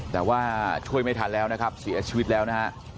แต่ว่าช่วยไม่ทันแล้วนะครับเสียชีวิตแล้วนะฮะ